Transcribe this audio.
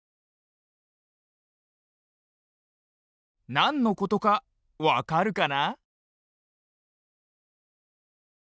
なんのことかわかるかな？